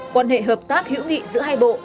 quan hệ hợp tác hữu nghị giữa hai bộ